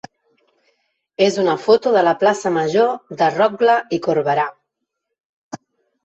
és una foto de la plaça major de Rotglà i Corberà.